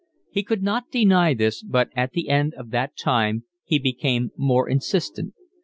He could not deny this, but at the end of that time he became more insistent.